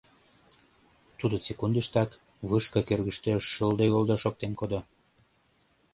Тудо секундыштак вышка кӧргыштӧ шылде-голдо шоктен кодо.